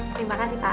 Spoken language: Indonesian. terima kasih pak